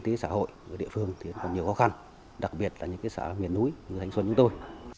kinh tế xã hội ở địa phương thì còn nhiều khó khăn đặc biệt là những xã miền núi như thanh xuân chúng tôi